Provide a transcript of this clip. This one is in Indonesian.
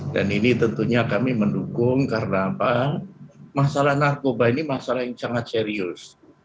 dan ini tentunya kami mendukung karena masalah narkoba ini masalah yang sangat serius